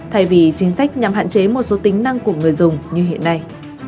thay vì chính sách nhằm hạn chế một số tính năng của người dùng như hiện nay